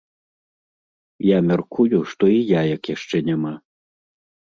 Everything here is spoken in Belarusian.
Я мяркую, што і яек яшчэ няма.